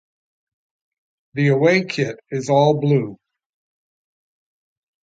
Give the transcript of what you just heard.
The away kit is all blue.